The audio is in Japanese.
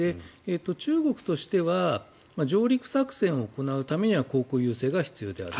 中国としては上陸作戦を行うためには航空優勢が必要である。